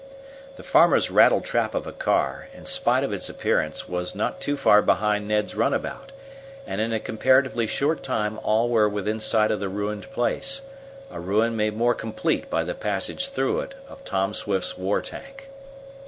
The farmer's rattletrap of a car, in spite of its appearance, was not far behind Ned's runabout, and in a comparatively short time all were within sight of the ruined place a ruin made more complete by the passage through it of Tom Swift's war tank.